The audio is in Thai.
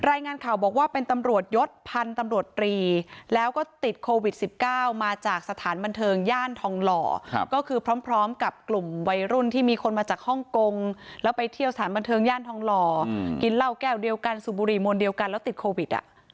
รายงานข่าวบอกว่าเป็นตำรวจยศพันธุ์ตำรวจตรีแล้วก็ติดโควิด๑๙มาจากสถานบันเทิงย่านทองหล่อก็คือพร้อมกับกลุ่มวัยรุ่นที่มีคนมาจากฮ่องกงแล้วไปเที่ยวสถานบันเทิงย่านทองหล่อกินเหล้าแก้วเดียวกันสูบบุหรี่มวลเดียวกันแล้วติดโควิด